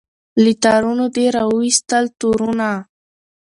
له تارونو دي را وایستل تورونه